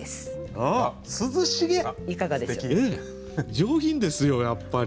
上品ですよやっぱり。